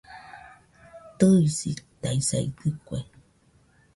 Tɨisitaisaidɨkue